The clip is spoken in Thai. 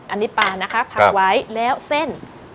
อันนี้ปลานะคะผักไว้แล้วเส้น